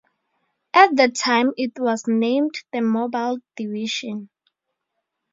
At the time, it was named The Mobile Division.